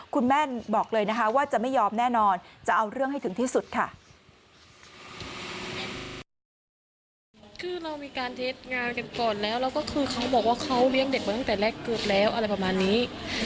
คือเขาบอกว่าเขาเลี้ยงเด็กมาตั้งแต่แรกเกิดแล้วอะไรประมาณนี้